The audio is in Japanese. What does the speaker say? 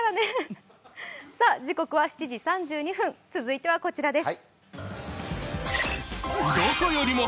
時刻は７時３２分、続いてはこちらです。